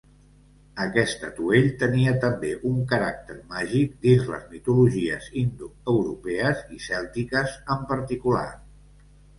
Aquest atuell tenia també un caràcter màgic dins les mitologies indoeuropees i cèltiques en particular.